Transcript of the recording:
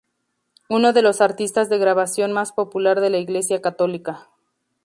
Uno de los artistas de grabación más popular de la iglesia católica.